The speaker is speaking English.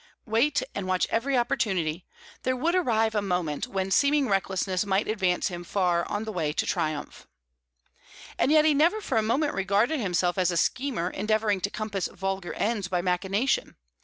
Wait, and watch every opportunity; there would arrive a moment when seeming recklessness might advance him far on the way to triumph. And yet he never for a moment regarded himself as a schemer endeavouring to compass vulgar ends by machination.